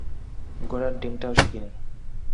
ঘোড়ার ডিমটাও শিখিনি।